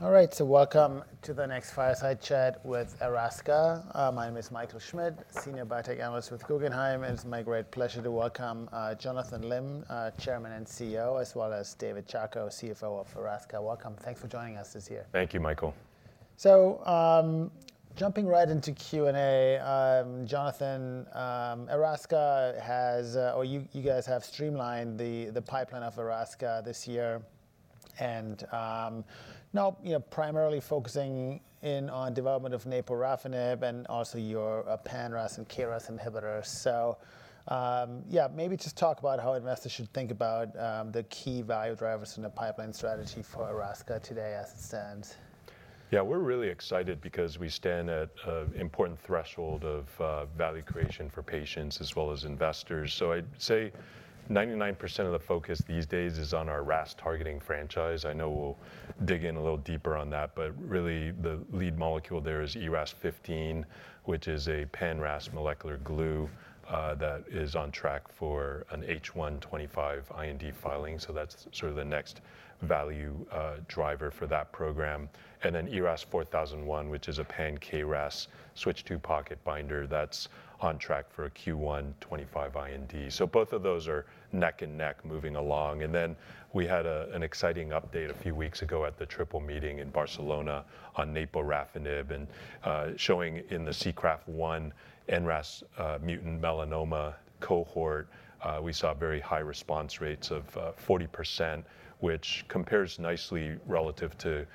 All right, so welcome to the next Fireside Chat with Erasca. My name is Michael Schmidt, Senior Biotech Analyst with Guggenheim, and it's my great pleasure to welcome Jonathan Lim, Chairman and CEO, as well as David Chacko, CFO of Erasca. Welcome. Thanks for joining us this year. Thank you, Michael. So jumping right into Q&A, Jonathan, Erasca has, or you guys have streamlined the pipeline of Erasca this year, and now primarily focusing in on development of naporafenib and also your pan-RAS and KRAS inhibitors. So yeah, maybe just talk about how investors should think about the key value drivers in the pipeline strategy for Erasca today as it stands. Yeah, we're really excited because we stand at an important threshold of value creation for patients as well as investors. So I'd say 99% of the focus these days is on our RAS targeting franchise. I know we'll dig in a little deeper on that, but really the lead molecule there is ERAS-15, which is a pan-RAS molecular glue that is on track for an H125 IND filing. So that's sort of the next value driver for that program. And then ERAS-4001, which is a pan-KRAS switch-II pocket binder that's on track for a Q125 IND. So both of those are neck and neck moving along. Then we had an exciting update a few weeks ago at the Triple Meeting in Barcelona on naporafenib and showing in the SEACRAFT-1 NRAS mutant melanoma cohort. We saw very high response rates of 40%, which compares nicely relative to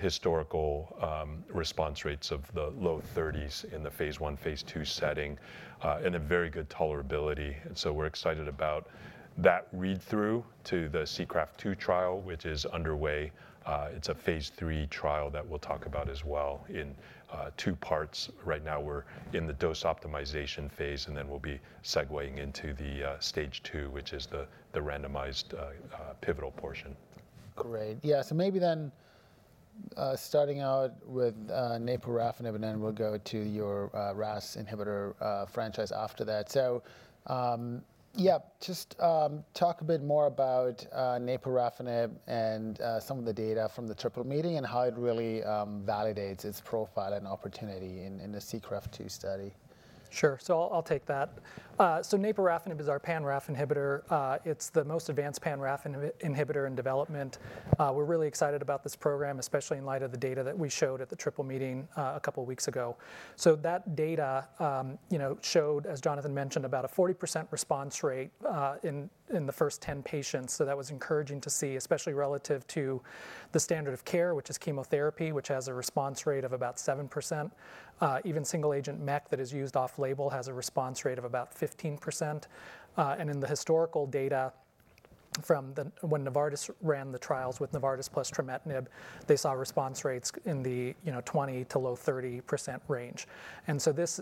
historical response rates of the low 30s in the phase I, phase II setting and a very good tolerability. So we're excited about that read-through to the SEACRAFT-2 trial, which is underway. It's a phase III trial that we'll talk about as well in two parts. Right now we're in the dose optimization phase, and then we'll be segueing into the stage two, which is the randomized pivotal portion. Great. Yeah. So maybe then starting out with naporafenib, and then we'll go to your RAS inhibitor franchise after that. So yeah, just talk a bit more about naporafenib and some of the data from the Triple Meeting and how it really validates its profile and opportunity in the SEACRAFT-2 study. Sure. So I'll take that. So naporafenib is our pan-RAS inhibitor. It's the most advanced pan-RAS inhibitor in development. We're really excited about this program, especially in light of the data that we showed at the Triple Meeting a couple of weeks ago. So that data showed, as Jonathan mentioned, about a 40% response rate in the first 10 patients. So that was encouraging to see, especially relative to the standard of care, which is chemotherapy, which has a response rate of about 7%. Even single agent MEK that is used off label has a response rate of about 15%. And in the historical data from when Novartis ran the trials with naporafenib plus trametinib, they saw response rates in the 20%-low 30% range. And so this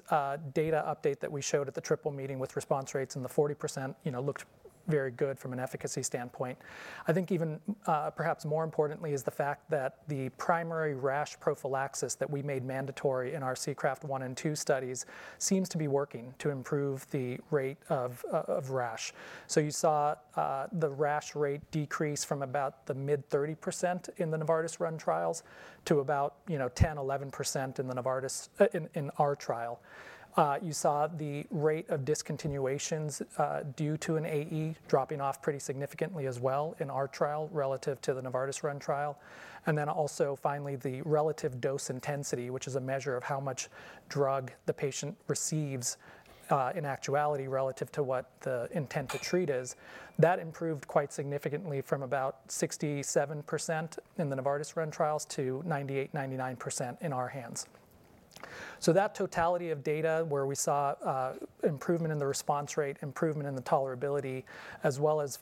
data update that we showed at the Triple Meeting with response rates in the 40% looked very good from an efficacy standpoint. I think even perhaps more importantly is the fact that the primary rash prophylaxis that we made mandatory in our SEACRAFT-1 and 2 studies seems to be working to improve the rate of rash. So you saw the rash rate decrease from about the mid-30% in the Novartis-run trials to about 10%-11% in our trial. You saw the rate of discontinuations due to an AE dropping off pretty significantly as well in our trial relative to the Novartis-run trial. Then also finally, the relative dose intensity, which is a measure of how much drug the patient receives in actuality relative to what the intent to treat is, that improved quite significantly from about 67% in the Novartis run trials to 98%-99% in our hands, so that totality of data where we saw improvement in the response rate, improvement in the tolerability, as well as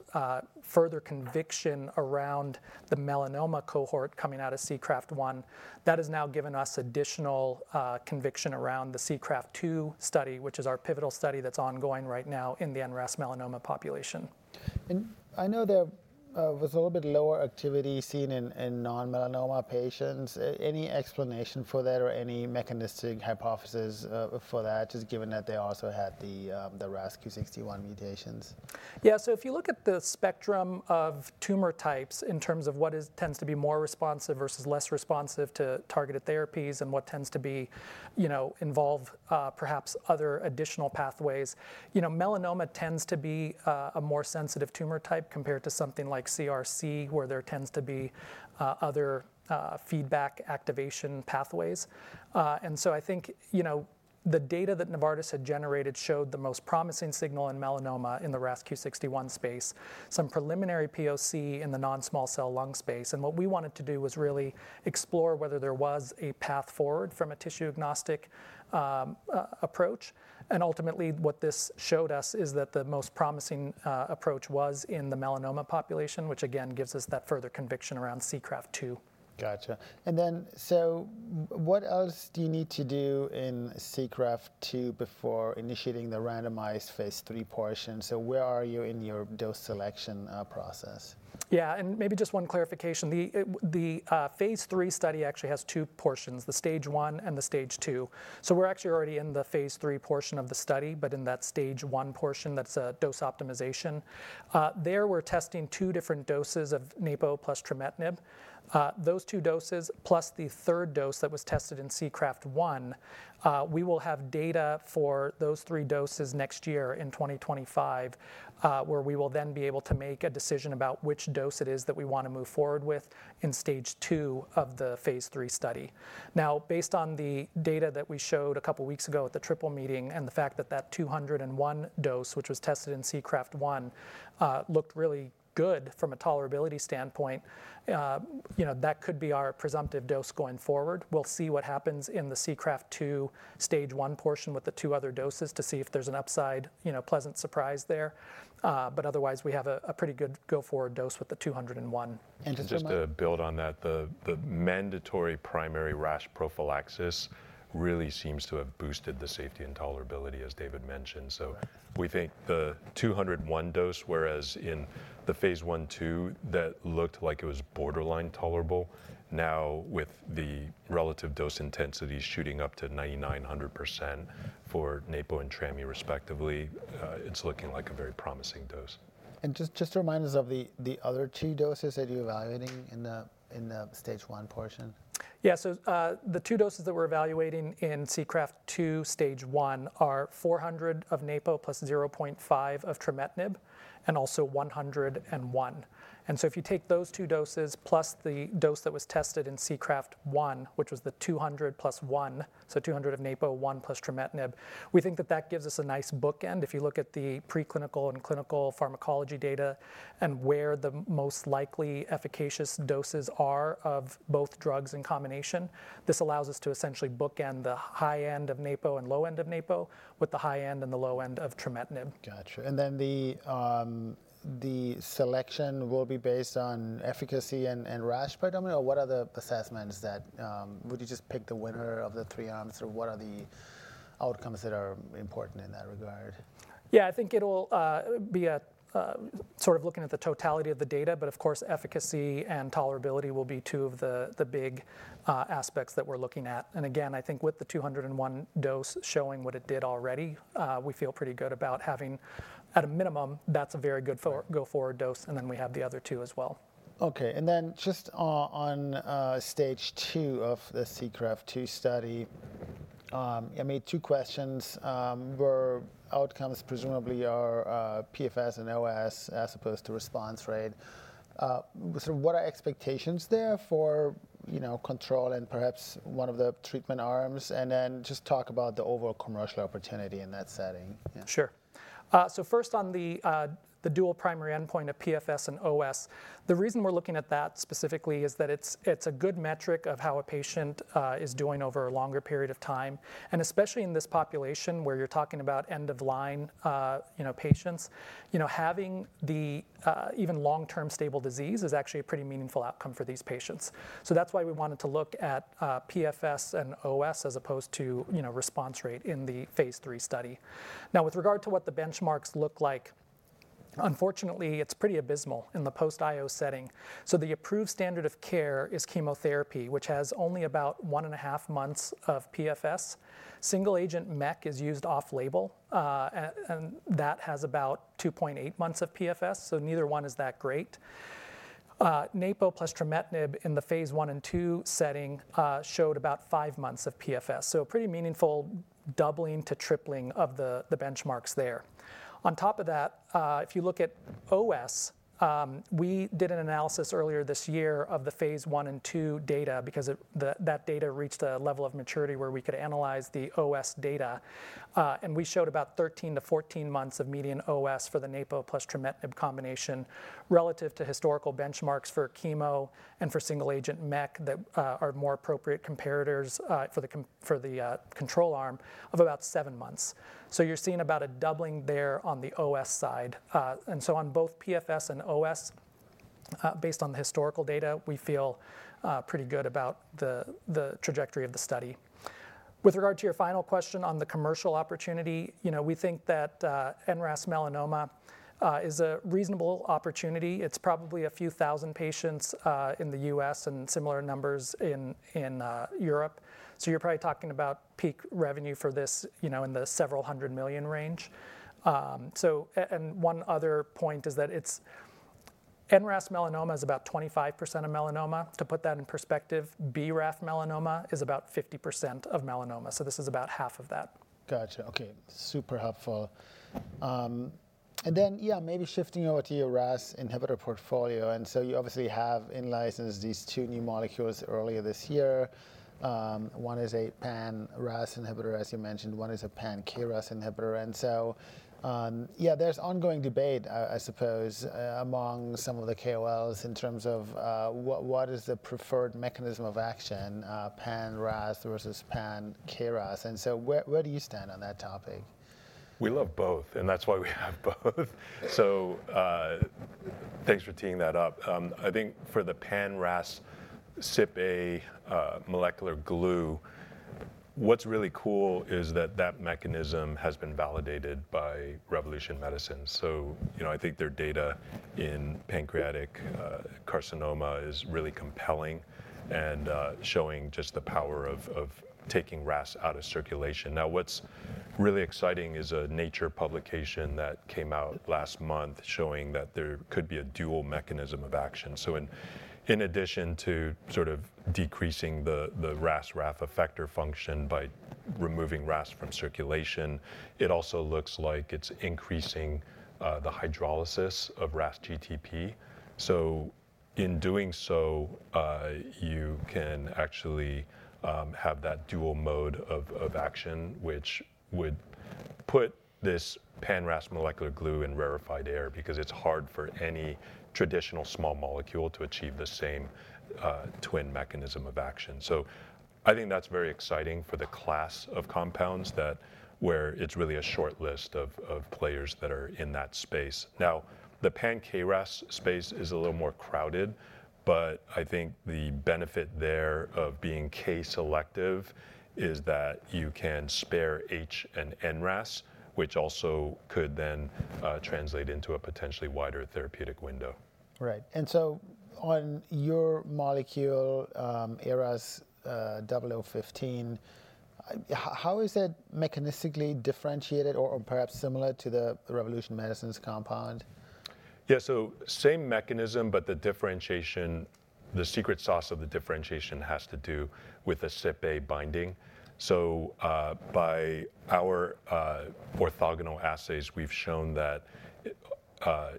further conviction around the melanoma cohort coming out of SEACRAFT-1, that has now given us additional conviction around the SEACRAFT-2 study, which is our pivotal study that's ongoing right now in the NRAS melanoma population. I know there was a little bit lower activity seen in non-melanoma patients. Any explanation for that or any mechanistic hypothesis for that, just given that they also had the RAS Q61 mutations? Yeah. So if you look at the spectrum of tumor types in terms of what tends to be more responsive versus less responsive to targeted therapies and what tends to involve perhaps other additional pathways, melanoma tends to be a more sensitive tumor type compared to something like CRC, where there tends to be other feedback activation pathways. And so I think the data that Novartis had generated showed the most promising signal in melanoma in the RAS Q61 space, some preliminary POC in the non-small cell lung space. And what we wanted to do was really explore whether there was a path forward from a tissue agnostic approach. And ultimately, what this showed us is that the most promising approach was in the melanoma population, which again gives us that further conviction around SEACRAFT-2. Gotcha. And then so what else do you need to do in SEACRAFT-2 before initiating the randomized phase III portion? So where are you in your dose selection process? Yeah. And maybe just one clarification. The phase III study actually has two portions, the stage one and the stage two. So we're actually already in the phase III portion of the study, but in that stage one portion, that's a dose optimization. There we're testing two different doses of Napo plus trametinib. Those two doses plus the third dose that was tested in SEACRAFT-1, we will have data for those three doses next year in 2025, where we will then be able to make a decision about which dose it is that we want to move forward with in stage two of the phase III study. Now, based on the data that we showed a couple of weeks ago at the Triple Meeting and the fact that that 201 dose, which was tested in SEACRAFT-1, looked really good from a tolerability standpoint, that could be our presumptive dose going forward. We'll see what happens in the SEACRAFT-2 stage one portion with the two other doses to see if there's an upside pleasant surprise there. But otherwise, we have a pretty good go-forward dose with the 201. Just to build on that, the mandatory primary RAS prophylaxis really seems to have boosted the safety and tolerability, as David mentioned. We think the 201 dose, whereas in the phase I II, that looked like it was borderline tolerable. Now, with the relative dose intensity shooting up to 99%-100% for Napo and TRAMI respectively, it's looking like a very promising dose. Just remind us of the other two doses that you're evaluating in the stage one portion. Yeah. So the two doses that we're evaluating in SEACRAFT-2 stage one are 400 of Napo plus 0.5 of trametinib and also 101. And so if you take those two doses plus the dose that was tested in SEACRAFT-1, which was the 200 plus one, so 200 of Napo, one plus trametinib, we think that that gives us a nice bookend. If you look at the preclinical and clinical pharmacology data and where the most likely efficacious doses are of both drugs in combination, this allows us to essentially bookend the high end of Napo and low end of Napo with the high end and the low end of trametinib. Gotcha. And then the selection will be based on efficacy and RAS predominantly, or what are the assessments that would you just pick the winner of the three arms or what are the outcomes that are important in that regard? Yeah, I think it'll be sort of looking at the totality of the data, but of course, efficacy and tolerability will be two of the big aspects that we're looking at. And again, I think with the 201 dose showing what it did already, we feel pretty good about having at a minimum, that's a very good go-forward dose. And then we have the other two as well. Okay. And then just on stage two of the SEACRAFT-2 study, I have two questions where outcomes presumably are PFS and OS as opposed to response rate. Sort of what are expectations there for control and perhaps one of the treatment arms? And then just talk about the overall commercial opportunity in that setting. Sure. So first on the dual primary endpoint of PFS and OS, the reason we're looking at that specifically is that it's a good metric of how a patient is doing over a longer period of time. And especially in this population where you're talking about end of line patients, having the even long-term stable disease is actually a pretty meaningful outcome for these patients. So that's why we wanted to look at PFS and OS as opposed to response rate in the phase III study. Now, with regard to what the benchmarks look like, unfortunately, it's pretty abysmal in the post-IO setting. So the approved standard of care is chemotherapy, which has only about one and a half months of PFS. Single agent MEK is used off label, and that has about 2.8 months of PFS. So neither one is that great. Naporafenib plus trametinib in the phase I and II setting showed about five months of PFS, so pretty meaningful doubling to tripling of the benchmarks there. On top of that, if you look at OS, we did an analysis earlier this year of the phase I and II data because that data reached a level of maturity where we could analyze the OS data, and we showed about 13 to 14 months of median OS for the naporafenib plus trametinib combination relative to historical benchmarks for chemo and for single agent MEK that are more appropriate comparators for the control arm of about seven months, so you're seeing about a doubling there on the OS side, and so on both PFS and OS, based on the historical data, we feel pretty good about the trajectory of the study. With regard to your final question on the commercial opportunity, we think that NRAS melanoma is a reasonable opportunity. It's probably a few thousand patients in the U.S. and similar numbers in Europe. So you're probably talking about peak revenue for this in the several hundred million range. And one other point is that NRAS melanoma is about 25% of melanoma. To put that in perspective, BRAF melanoma is about 50% of melanoma. So this is about half of that. Gotcha. Okay. Super helpful. And then, yeah, maybe shifting over to your RAS inhibitor portfolio. And so you obviously have in license these two new molecules earlier this year. One is a pan-RAS inhibitor, as you mentioned. One is a pan-KRAS inhibitor. And so, yeah, there's ongoing debate, I suppose, among some of the KOLs in terms of what is the preferred mechanism of action, pan-RAS versus pan-KRAS. And so where do you stand on that topic? We love both, and that's why we have both. So thanks for teeing that up. I think for the pan-RAS CypA molecular glue, what's really cool is that that mechanism has been validated by Revolution Medicines. So I think their data in pancreatic carcinoma is really compelling and showing just the power of taking RAS out of circulation. Now, what's really exciting is a Nature publication that came out last month showing that there could be a dual mechanism of action. So in addition to sort of decreasing the RAS-RAF effector function by removing RAS from circulation, it also looks like it's increasing the hydrolysis of RAS GTP. So in doing so, you can actually have that dual mode of action, which would put this pan-RAS molecular glue in rarefied air because it's hard for any traditional small molecule to achieve the same twin mechanism of action. So I think that's very exciting for the class of compounds where it's really a short list of players that are in that space. Now, the pan-KRAS space is a little more crowded, but I think the benefit there of being K-selective is that you can spare H and NRAS, which also could then translate into a potentially wider therapeutic window. Right. And so on your molecule, ERAS-0015, how is it mechanistically differentiated or perhaps similar to the Revolution Medicines' compound? Yeah. So same mechanism, but the differentiation, the secret sauce of the differentiation has to do with the CypA binding. So by our orthogonal assays, we've shown that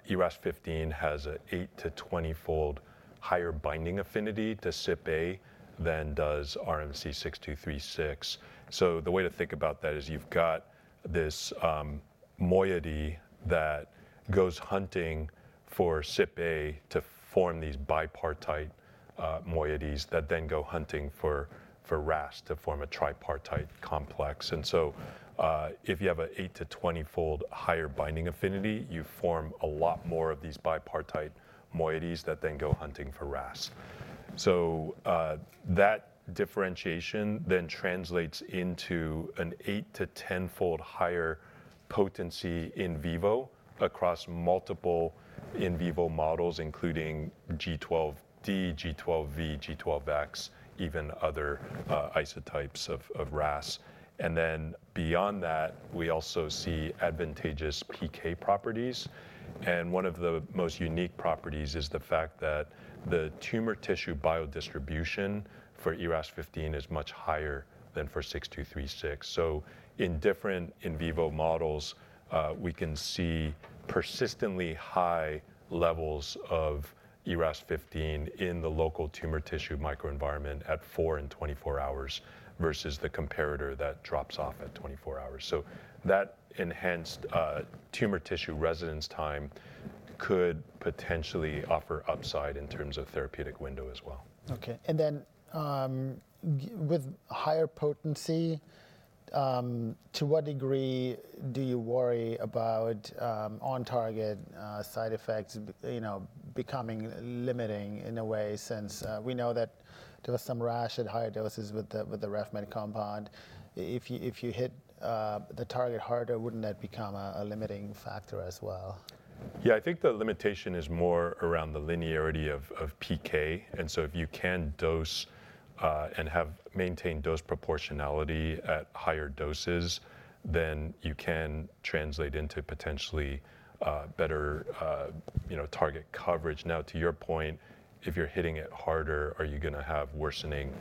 ERAS-15 has an 8 to 20-fold higher binding affinity to CypA than does RMC-6236. So the way to think about that is you've got this moiety that goes hunting for CypA to form these bipartite moieties that then go hunting for RAS to form a tripartite complex. And so if you have an 8 to 20-fold higher binding affinity, you form a lot more of these bipartite moieties that then go hunting for RAS. So that differentiation then translates into an 8 to 10-fold higher potency in vivo across multiple in vivo models, including G12D, G12V, G12X, even other isotypes of RAS. And then beyond that, we also see advantageous PK properties. One of the most unique properties is the fact that the tumor tissue biodistribution for ERAS-15 is much higher than for 6236. In different in vivo models, we can see persistently high levels of ERAS-15 in the local tumor tissue microenvironment at four and 24 hours versus the comparator that drops off at 24 hours. That enhanced tumor tissue residence time could potentially offer upside in terms of therapeutic window as well. Okay, and then with higher potency, to what degree do you worry about on-target side effects becoming limiting in a way since we know that there was some rash at higher doses with the RevMed compound? If you hit the target harder, wouldn't that become a limiting factor as well? Yeah, I think the limitation is more around the linearity of PK. And so if you can dose and maintain dose proportionality at higher doses, then you can translate into potentially better target coverage. Now, to your point, if you're hitting it harder, are you going to have worsening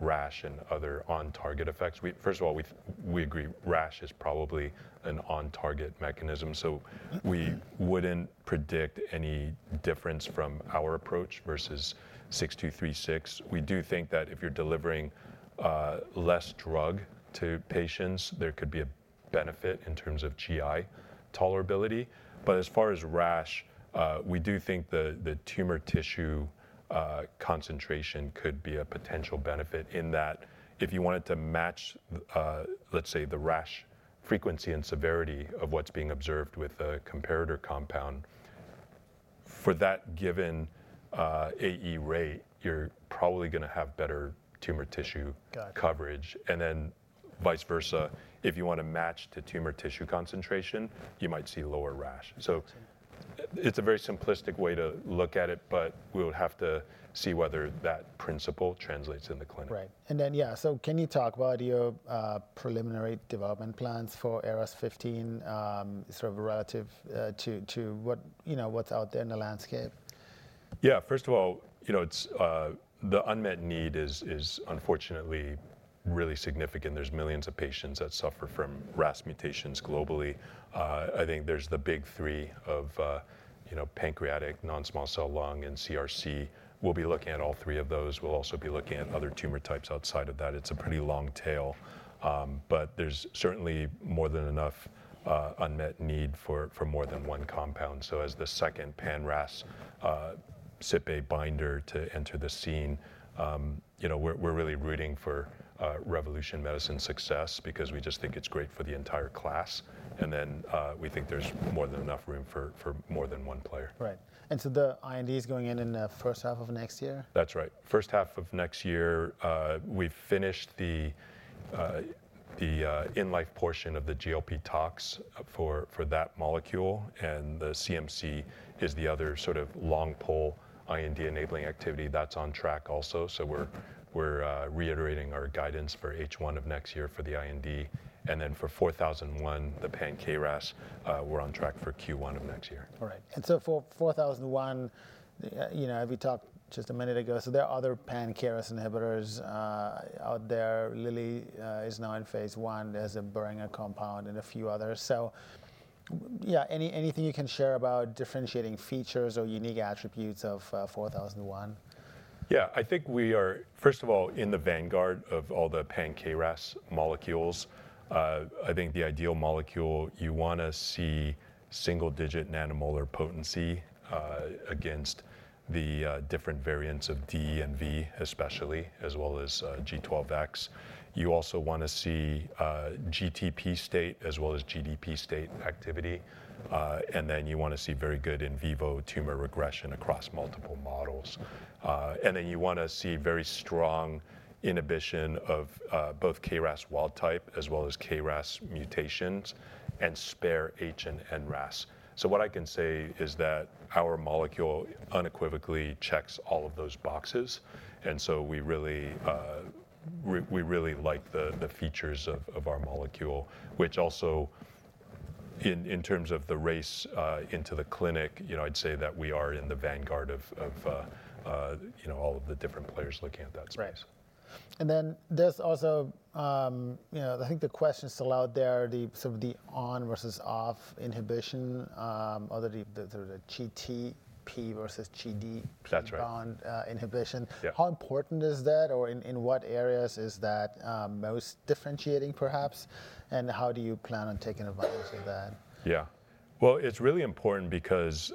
rash and other on-target effects? First of all, we agree rash is probably an on-target mechanism. So we wouldn't predict any difference from our approach versus 6236. We do think that if you're delivering less drug to patients, there could be a benefit in terms of GI tolerability. But as far as rash, we do think the tumor tissue concentration could be a potential benefit in that if you wanted to match, let's say, the rash frequency and severity of what's being observed with a comparator compound, for that given AE rate, you're probably going to have better tumor tissue coverage. And then vice versa, if you want to match the tumor tissue concentration, you might see lower rash. So it's a very simplistic way to look at it, but we'll have to see whether that principle translates in the clinic. Right. And then, yeah, so can you talk about your preliminary development plans for ERAS-15 sort of relative to what's out there in the landscape? Yeah. First of all, the unmet need is unfortunately really significant. There's millions of patients that suffer from RAS mutations globally. I think there's the big three of pancreatic, non-small cell lung, and CRC. We'll be looking at all three of those. We'll also be looking at other tumor types outside of that. It's a pretty long tail, but there's certainly more than enough unmet need for more than one compound. So as the second pan-RAS CypA binder to enter the scene, we're really rooting for Revolution Medicines' success because we just think it's great for the entire class. And then we think there's more than enough room for more than one player. Right. And so the IND is going in the first half of next year? That's right. First half of next year, we've finished the in-life portion of the GLP tox for that molecule. And the CMC is the other sort of long pole IND enabling activity that's on track also. So we're reiterating our guidance for H1 of next year for the IND. And then for ERAS-4001, the pan-KRAS, we're on track for Q1 of next year. All right. And so for 4001, we talked just a minute ago. So there are other pan-KRAS inhibitors out there. Lilly is now in phase I, as is a Boehringer compound and a few others. So yeah, anything you can share about differentiating features or unique attributes of 4001? Yeah, I think we are, first of all, in the vanguard of all the pan-KRAS molecules. I think the ideal molecule, you want to see single-digit nanomolar potency against the different variants of D and V, especially, as well as G12X. You also want to see GTP state as well as GDP state activity. And then you want to see very good in vivo tumor regression across multiple models. And then you want to see very strong inhibition of both KRAS wild type as well as KRAS mutations and spare H and NRAS. So what I can say is that our molecule unequivocally checks all of those boxes. And so we really like the features of our molecule, which also in terms of the race into the clinic, I'd say that we are in the vanguard of all of the different players looking at that space. Right. And then there's also, I think the question still out there, sort of the on versus off inhibition, or the GTP versus GDP inhibition. How important is that, or in what areas is that most differentiating, perhaps? And how do you plan on taking advantage of that? Yeah. Well, it's really important because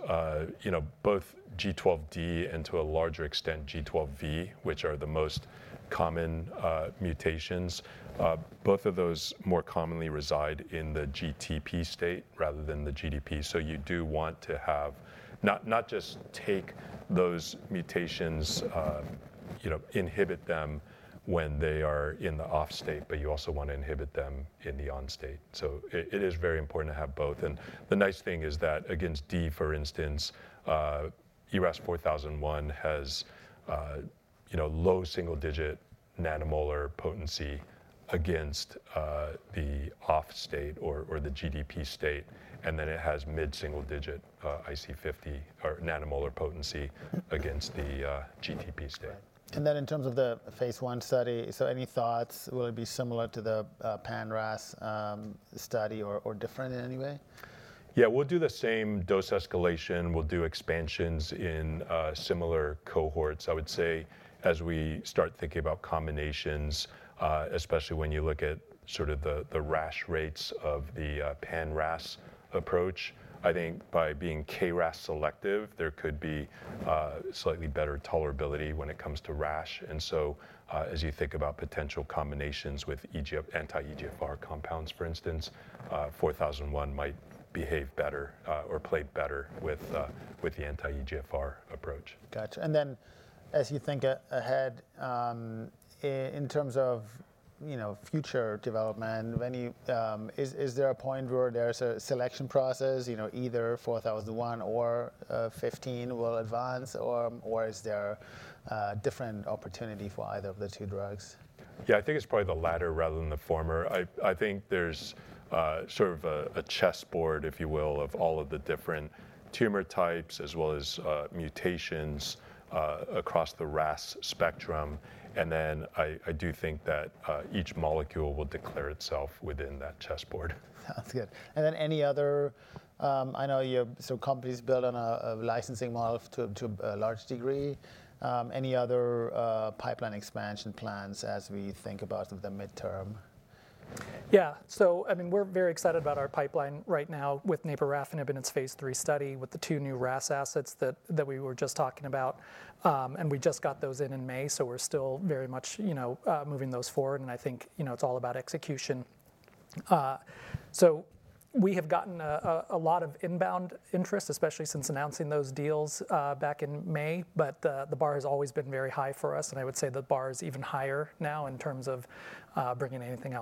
both G12D and to a larger extent G12V, which are the most common mutations, both of those more commonly reside in the GTP state rather than the GDP. So you do want to have not just take those mutations, inhibit them when they are in the off state, but you also want to inhibit them in the on state. So it is very important to have both. And the nice thing is that against D, for instance, ERAS 4001 has low single-digit nanomolar potency against the off state or the GDP state. And then it has mid-single-digit IC50 or nanomolar potency against the GTP state. And then in terms of the phase I study, so any thoughts? Will it be similar to the pan-RAS study or different in any way? Yeah, we'll do the same dose escalation. We'll do expansions in similar cohorts, I would say, as we start thinking about combinations, especially when you look at sort of the rash rates of the pan-RAS approach. I think by being KRAS selective, there could be slightly better tolerability when it comes to rash. And so as you think about potential combinations with anti-EGFR compounds, for instance, 4001 might behave better or play better with the anti-EGFR approach. Gotcha. And then as you think ahead in terms of future development, is there a point where there's a selection process? Either 4001 or 15 will advance, or is there a different opportunity for either of the two drugs? Yeah, I think it's probably the latter rather than the former. I think there's sort of a chessboard, if you will, of all of the different tumor types as well as mutations across the RAS spectrum, and then I do think that each molecule will declare itself within that chessboard. Sounds good, and then any other I know you have some companies built on a licensing model to a large degree. Any other pipeline expansion plans as we think about some of the midterm? Yeah. So I mean, we're very excited about our pipeline right now with naporafenib in its phase III study with the two new RAS assets that we were just talking about. And we just got those in May, so we're still very much moving those forward. And I think it's all about execution. So we have gotten a lot of inbound interest, especially since announcing those deals back in May. But the bar has always been very high for us. And I would say the bar is even higher now in terms of bringing anything.